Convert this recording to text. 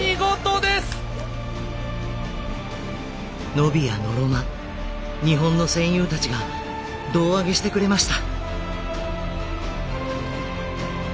ノビやノロマ日本の戦友たちが胴上げしてくれました。